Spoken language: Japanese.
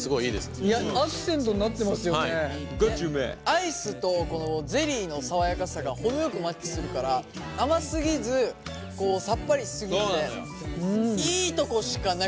アイスとこのゼリーの爽やかさが程よくマッチするから甘すぎずさっぱりしすぎずでいいとこしかない。